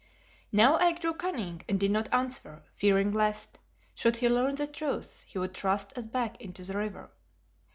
Now I grew cunning and did not answer, fearing lest, should he learn the truth, he would thrust us back into the river.